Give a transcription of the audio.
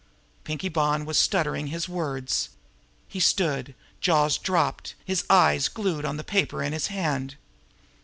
Pinkie Bonn was stuttering his words. He stood, jaws dropped, his eyes glued now on the paper in his hand.